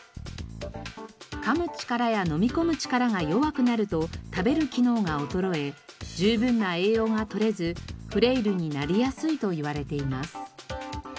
噛む力や飲み込む力が弱くなると食べる機能が衰え十分な栄養が取れずフレイルになりやすいといわれています。